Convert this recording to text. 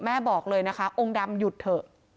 บอกเลยนะคะองค์ดำหยุดเถอะ